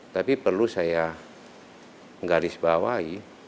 tapi perlu saya menggarisbawahi